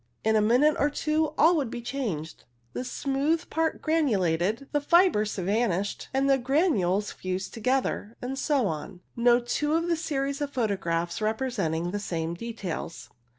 In a minute or two all would be changed — the smooth part granulated, the fibres vanished, and the granules fused together, and so on, no two of a series of photographs representing the same details.